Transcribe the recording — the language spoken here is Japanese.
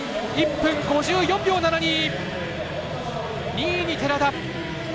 １分５４秒７２！２位に寺田。